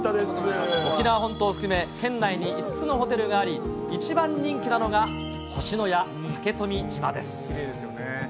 沖縄本島含め、県内に５つのホテルがあり、一番人気なのが、星のや竹富島です。